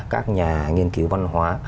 các nhà nghiên cứu văn hóa